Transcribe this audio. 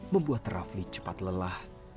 membuat rafli cepat lelah